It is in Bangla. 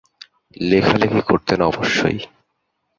লেখালেখি করতেন অবশ্যই।